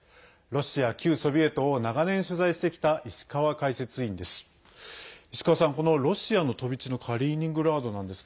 ロシア、旧ソビエトを長年、取材してきた石川解説委員です。